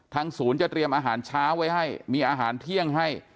ศูนย์จะเตรียมอาหารเช้าไว้ให้มีอาหารเที่ยงให้